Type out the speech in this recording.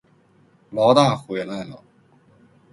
牢大回来了